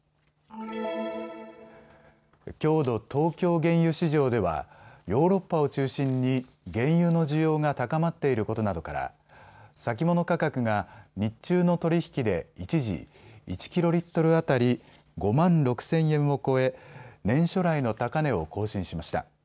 きょうの東京原油市場ではヨーロッパを中心に原油の需要が高まっていることなどから先物価格が日中の取り引きで一時、１キロリットル当たり５万６０００円を超え年初来の高値を更新しました。